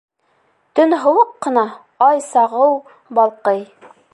Төн һыуыҡ ҡына, ай сағыу балҡый.